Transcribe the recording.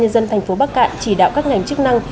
và bệnh viện trung gang